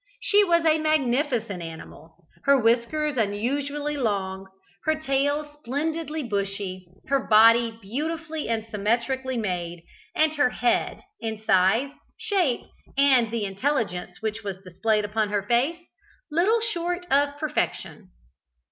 She was a magnificent animal: her whiskers unusually long, her tail splendidly bushy, her body beautifully and symmetrically made, and her head, in size, shape, and the intelligence which was displayed upon her face, little short of perfection.